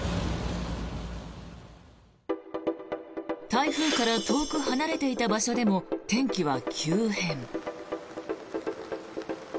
台風から遠く離れていた場所でも天気は急変。